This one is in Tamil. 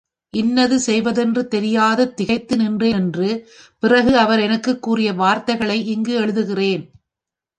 இன்னது செய்வது என்று தெரியாது திகைத்து நின்றேன் என்று பிறகு அவர் எனக்குக் கூறிய வார்த்தைகளை இங்கு எழுதுகிறேன்.